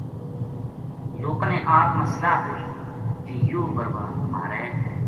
لوکاں نے آپ ما صلاح کری جے یوہ بھربھانو مھارے